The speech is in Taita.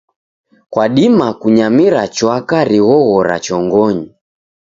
Kwadima kunyamira chwaka righoghora chongonyi.